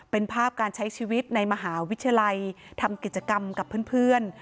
เป็นภาพการใช้ชีวิตในมหาวิทยาลัยทำกิจกรรมกับเพื่อน